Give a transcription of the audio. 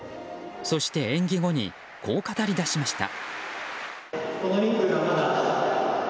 そして、演技後にこう語り出しました。